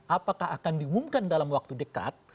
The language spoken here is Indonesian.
apakah akan diumumkan dalam waktu dekat